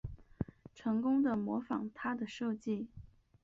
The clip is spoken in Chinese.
成功的模仿他的设计